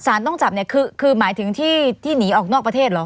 สารต้องจับคือหมายถึงที่หนีออกนอกประเทศหรอ